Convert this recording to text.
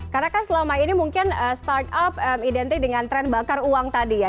karena kan selama ini mungkin start up identik dengan tren bakar uang tadi ya